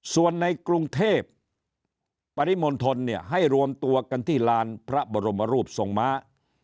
ส่วนในกรุงเทพปริมณฑลเนี่ยให้รวมตัวกันที่ลานพระบรมรูปทรงม้า